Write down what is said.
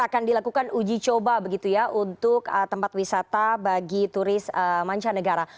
akan dilakukan uji coba begitu ya untuk tempat wisata bagi turis mancanegara